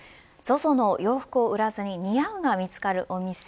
ＺＯＺＯの洋服を売らずに似合うが見つかるお店。